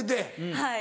はい。